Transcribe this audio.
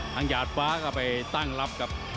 ทางย่านฟ้าก็ไปตั้งรับกับ